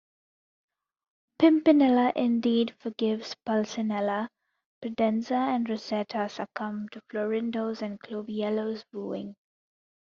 Pimpinella indeed forgives Pulcinella, Prudenza and Rosetta succumb to Florindo's and Cloviello's wooing.